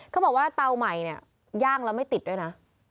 เขาบอกว่าเตาใหม่เนี่ยย่างแล้วไม่ติดด้วยนะ